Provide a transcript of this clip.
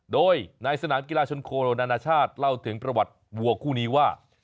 โดยในสนามกีฬาชนโคโรนานาชาติเล่าถึงประวัติวัวคู่นี้ว่า